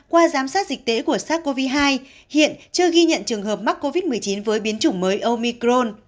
qua giám sát dịch tễ của sars cov hai hiện chưa ghi nhận trường hợp mắc covid một mươi chín với biến chủng mới omicron